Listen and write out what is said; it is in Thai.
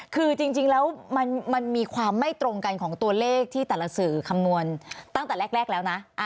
คือจริงแล้วมันมีความไม่ตรงกันของตัวเลขที่แต่ละสื่อคำนวณตั้งแต่แรกแล้วนะ